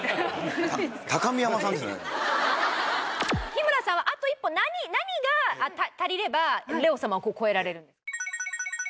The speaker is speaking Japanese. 日村さんはあと一歩何が足りればレオ様を超えられる？